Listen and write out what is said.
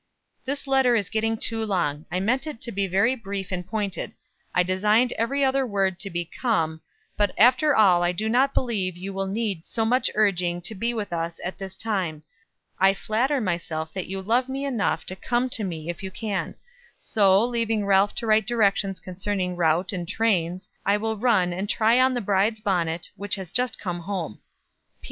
"This letter is getting too long. I meant it to be very brief and pointed. I designed every other word to be 'come;' but after all I do not believe you will need so much urging to be with us at this time. I flatter myself that you love me enough to come to me if you can. So, leaving Ralph to write directions concerning route and trains, I will run and try on the bride's bonnet, which has just come home.